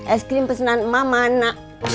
es krim pesanan emak mana